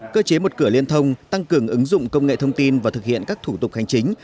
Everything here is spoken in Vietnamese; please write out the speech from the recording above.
cơ chế một cửa liên thông tăng cường ứng dụng công nghệ thông tin và thực hiện các thủ tục hành chính